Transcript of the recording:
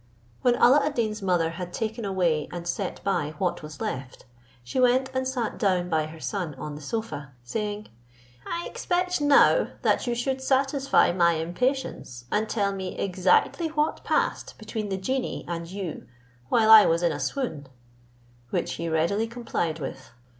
When Alla ad Deen's mother had taken away and set by what was left, she went and sat down by her son on the sofa, saying, "I expect now that you should satisfy my impatience, and tell me exactly what passed between the genie and you while I was in a swoon;" which he readily complied with.